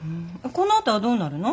このあとはどうなるの？